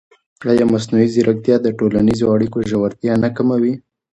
ایا مصنوعي ځیرکتیا د ټولنیزو اړیکو ژورتیا نه کموي؟